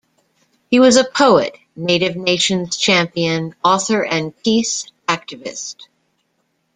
He was a poet, native nations champion, author and peace activist.